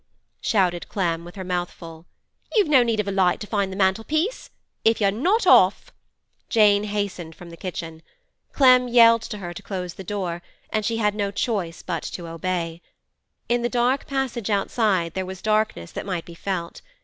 shouted Clem, with her mouth full. 'You've no need of a light to find the mantel piece. If you're not off—' Jane hastened from the kitchen. Clem yelled to her to close the door, and she had no choice but to obey. In the dark passage outside there was darkness that might be felt.